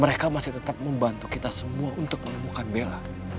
mereka masih tetap membantu kita semua untuk menemukan bella